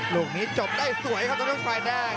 ลูกนี้จบได้สวยครับทางด้านฝ่ายแดง